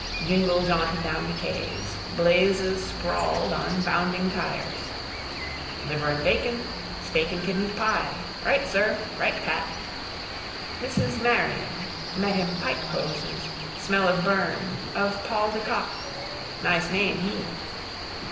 Jingle jaunted down the quays. Blazes sprawled on bounding tyres. Liver and bacon. Steak and kidney pie. Right, sir. Right, Pat. Mrs Marion. Met him pike hoses. Smell of burn. Of Paul de Kock. Nice name he.